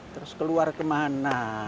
terus keluar kemana